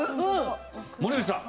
森口さん。